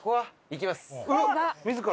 行きます！